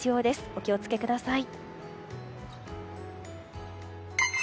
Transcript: お気を付けください。